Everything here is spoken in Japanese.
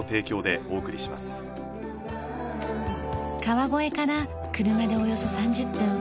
川越から車でおよそ３０分。